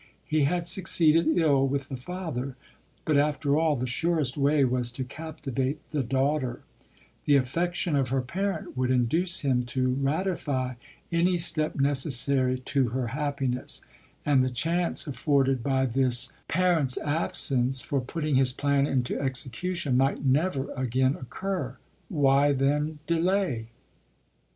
He had succeeded ill with the father; but, after all, the surest way was to captivate the daughter : the affection of her parent would induce him to ratify any step necessary to her happiness ; and the chance afforded by this parent's absence for putting his plan into execu tion, might never again occur — why then delay